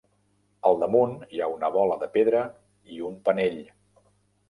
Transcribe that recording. Al damunt hi ha una bola de pedra i un penell.